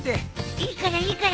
いいからいいから。